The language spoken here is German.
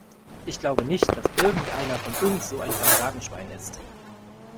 Ich glaube nicht, dass irgendeiner von uns so ein Kameradenschwein ist.